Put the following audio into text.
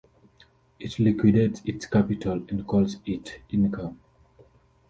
It liquidates its capital and calls it income.